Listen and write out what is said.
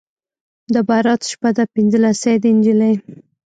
د براته شپه ده پنځلسی دی نجلۍ